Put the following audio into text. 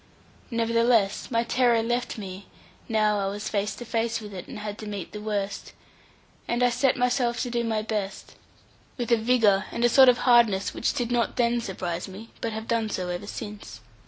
Nevertheless, my terror left me, now I was face to face with it, and had to meet the worst; and I set myself to do my best with a vigour and sort of hardness which did not then surprise me, but have done so ever since.